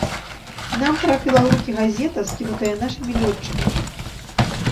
І нам трапіла ў рукі газета, скінутая нашымі лётчыкамі.